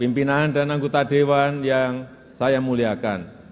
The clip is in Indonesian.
pimpinan dan anggota dewan yang saya muliakan